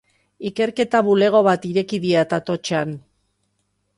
Ikerketa bulego bat ireki diat Atotxan.